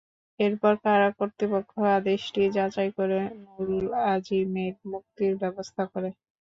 এরপর কারা কর্তৃপক্ষ আদেশটি যাচাই করে নুরুল আজিমের মুক্তির ব্যবস্থা করে।